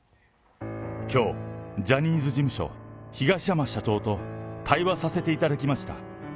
きょう、ジャニーズ事務所、東山社長と対話させていただきました。